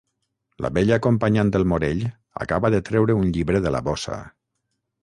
La bella acompanyant del Morell acaba de treure un llibre de la bossa.